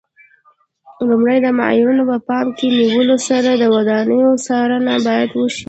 لومړی د معیارونو په پام کې نیولو سره د ودانیو څارنه باید وشي.